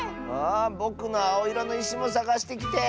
あぼくのあおいろのいしもさがしてきて。